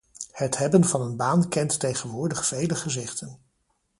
Het hebben van een baan kent tegenwoordig vele gezichten.